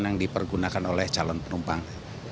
yang dipergunakan oleh calon penumpang